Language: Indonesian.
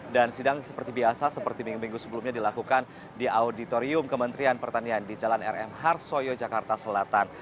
dan sidang seperti biasa seperti minggu minggu sebelumnya dilakukan di auditorium kementerian pertanian di jalan rmh soyo jakarta selatan